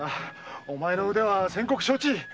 お前の腕は先刻承知。